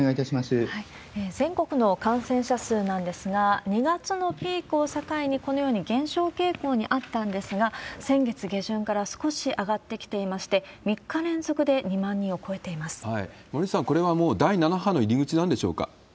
全国の感染者数なんですが、２月のピークを境に、このように減少傾向にあったんですが、先月下旬から少し上がってきていまして、森内さん、これはもう第７波の入り口なんでしょうか？